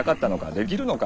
できるのか？